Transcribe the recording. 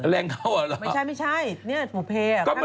แรงเงาก็ใช่ไงตอนนี้เล่น